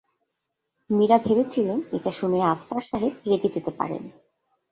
মীরা ভেবেছিলেন এটা শুনে আফসার সাহেব রেগে যেতে পারেন।